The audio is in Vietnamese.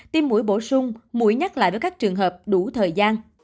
tiêm mũi bổ sung mũi nhắc lại với các trường hợp đủ thời gian